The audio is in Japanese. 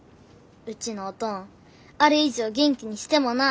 うちのおとんあれ以上元気にしてもな。